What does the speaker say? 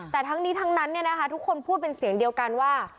แต่ทั้งนี้ทั้งนั้นทุกคนพูดเป็นเสียงเดียวกันว่า